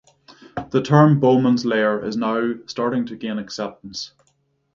The term Bowman's layer is now starting to gain acceptance.